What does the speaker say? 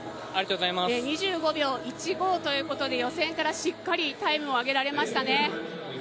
２５秒１５ということで予選からしっかりタイムを上げられましたね。